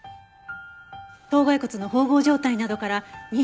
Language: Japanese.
頭蓋骨の縫合状態などから２０代前半。